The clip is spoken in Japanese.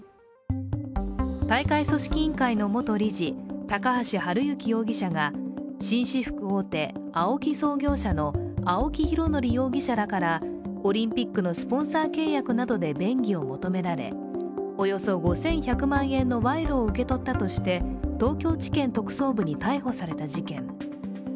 大会組織委員会の元理事高橋治之容疑者が紳士服大手・ＡＯＫＩ創業者の青木拡憲容疑者らからオリンピックのスポンサー契約などで便宜を求められおよそ５１００万円の賄賂を受け取ったとして、東京地検特捜部に逮捕された事件。